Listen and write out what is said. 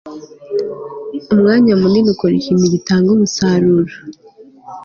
umwanya munini ukora ikintu gitanga umusaruro